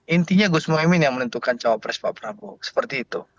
intinya gus mohaimin yang menentukan cawapres pak prabowo seperti itu